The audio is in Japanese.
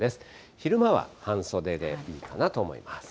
昼間は半袖でいいかなと思います。